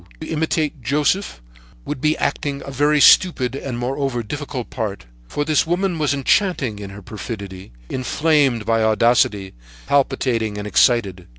To imitate Joseph would be acting a very stupid and, moreover, difficult part, for this woman was enchanting in her perfidy, inflamed by audacity, palpitating and excited.